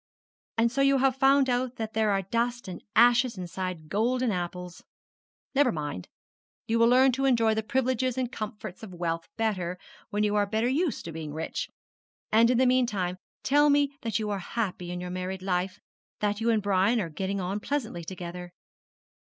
And so you have found out that there are dust and ashes inside golden apples! Never mind; you will learn to enjoy the privileges and comforts of wealth better when you are better used to being rich. And in the meantime tell me that you are happy in your married life, that you and Brian are getting on pleasantly together.'